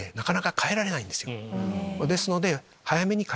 ですので。